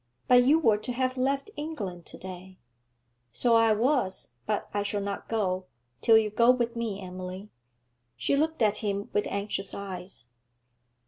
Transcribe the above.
'But you were to have left England to day?' 'So I was, but I shall not go till you go with me, Emily.' She looked at him with anxious eyes.